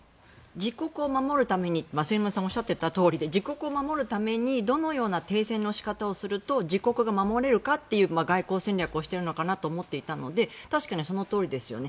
自国を守るために末延さんもおっしゃっていたとおりで自国を守るためにどのような停戦の仕方をすると自国が守れるかという外交戦略をしているのかなと思ったので確かにそのとおりですよね。